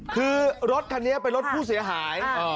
คือรถคันนี้เป็นรถผู้เสียหาย